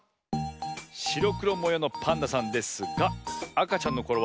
しろくろもようのパンダさんですがあかちゃんのころ